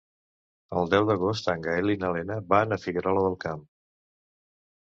El deu d'agost en Gaël i na Lena van a Figuerola del Camp.